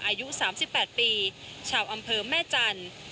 อายุ๓๘ปีชาวอำเภอแม่จันทร์